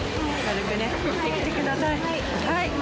はい。